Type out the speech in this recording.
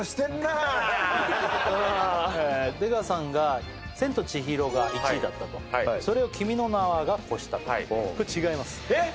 出川さんが「千と千尋」が１位だったとそれを「君の名は。」が超したとこれ違いますえっ！？